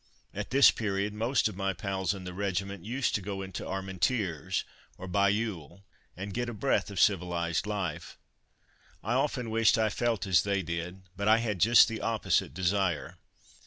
At this period, most of my pals in the regiment used to go into Armentières or Bailleul, and get a breath of civilized life. I often wished I felt as they did, but I had just the opposite desire.